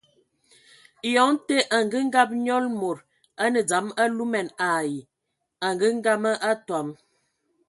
Eyɔŋ tə, angəngab nyɔl mod a nə dzam alumɛn ai angəgəma atɔm.